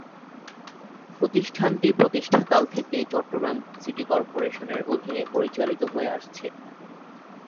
প্রতিষ্ঠানটি প্রতিষ্ঠাকাল থেকেই চট্টগ্রাম সিটি কর্পোরেশনের অধীনে পরিচালিত হয়ে আসছে।